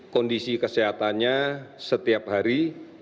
kondisi kesehatannya setiap hari